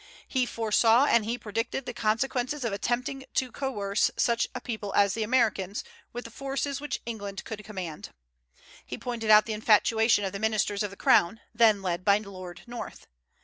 He foresaw and he predicted the consequences of attempting to coerce such a people as the Americans with the forces which England could command. He pointed out the infatuation of the ministers of the crown, then led by Lord North.